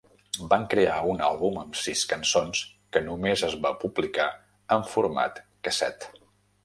Van crear un àlbum amb sis cançons que només es va publicar en format casset.